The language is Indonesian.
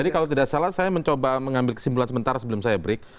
jadi kalau tidak salah saya mencoba mengambil kesimpulan sementara sebelum saya break